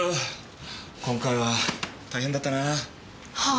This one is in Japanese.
今回は大変だったなぁ。はあ。